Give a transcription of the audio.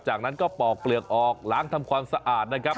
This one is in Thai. จากนั้นก็ปอกเปลือกออกล้างทำความสะอาดนะครับ